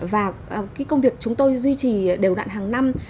và công việc chúng tôi duy trì đều đoạn hàng năm